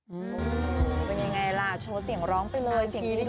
อืมเป็นยังไงล่ะโชว์เสียงร้องเพลงเลยเสียงดีด้วยนะ